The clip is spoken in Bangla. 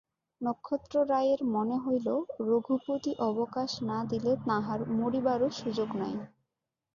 নক্ষত্ররায়ের মনে হইল, রঘুপতি অবকাশ না দিলে তাঁহার মরিবারও সুযোগ নাই।